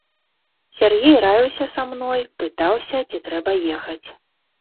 Сяргей раіўся са мной, пытаўся, ці трэба ехаць.